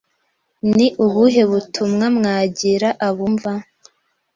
Ni ubuhe butumwa mwagira abumva